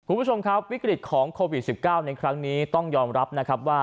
คุณผู้ชมครับวิกฤตของโควิด๑๙ในครั้งนี้ต้องยอมรับนะครับว่า